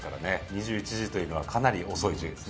２１時というのはかなり遅いです。